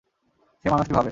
সে মানুষটি ভাবে।